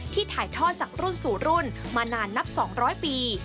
ถ่ายทอดจากรุ่นสู่รุ่นมานานนับ๒๐๐ปี